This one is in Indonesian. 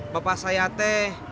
bapak saya teh